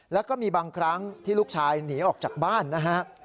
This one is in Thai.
แล้วก็มีบางครั้งที่ลูกชายหนีออกจากบ้านนะฮะ